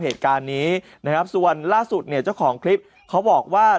เหตุการณ์นี้นะครับส่วนล่าสุดเนี่ยเจ้าของคลิปเขาบอกว่า